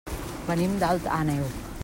Venim d'Alt Àneu.